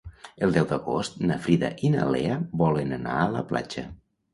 El deu d'agost na Frida i na Lea volen anar a la platja.